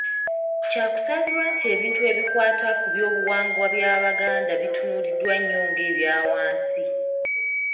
Kya kusaalirwa nti ebintu ebikwata ku Byobuwangwa by’Abaganda bitunuuliddwa nnyo ng’ebya wansi!